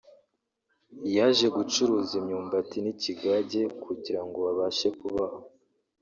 yaje gucuruza imyumbati n’ikigage kugira ngo babashe kubaho